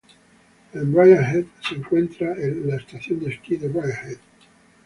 En Brian Head se encuentra el la estación de esquí de Brian Head.